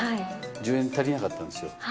１０円足りなかったんですよ。